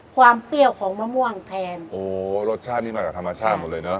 เปรี้ยวของมะม่วงแทนโอ้รสชาตินี่มาจากธรรมชาติหมดเลยเนอ